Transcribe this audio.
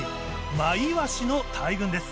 マイワシの大群です。